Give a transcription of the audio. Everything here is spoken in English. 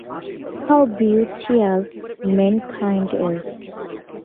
How beauteous mankind is!